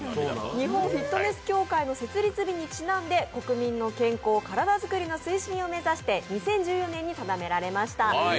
日本フィットネス協会の設立日にちなんで、国民の健康、体作りの推進を目指して２０１４年に定められました。